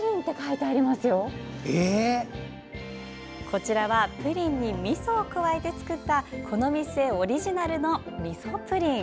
こちらはプリンにみそを加えて作ったこの店オリジナルのみそプリン。